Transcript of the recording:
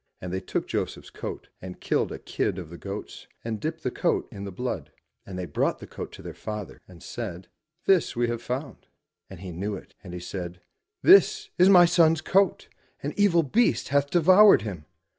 And they took Joseph's coat, and killed a kid of the goats, and dipped the coat in the blood; and they brought the coat to their father, and said, This have we found." And he knew it, and said, " It is my son's coat! An evil beast hath devoured him."